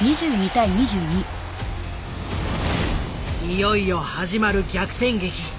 いよいよ始まる逆転劇。